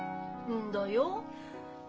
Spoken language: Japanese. んだよ。